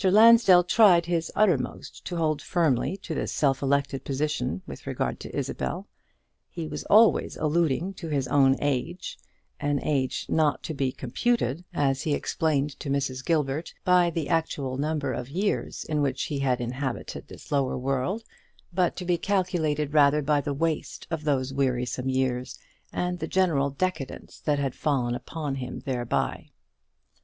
Lansdell tried his uttermost to hold firmly to this self elected position with regard to Isabel. He was always alluding to his own age; an age not to be computed, as he explained to Mrs. Gilbert, by the actual number of years in which he had inhabited this lower world, but to be calculated rather by the waste of those wearisome years, and the general decadence that had fallen upon him thereby.